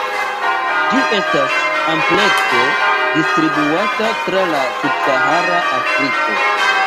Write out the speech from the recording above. Ĝi estas amplekse distribuata tra la subsahara Afriko.